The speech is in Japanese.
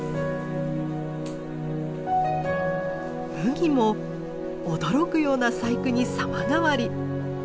麦も驚くような細工に様変わり。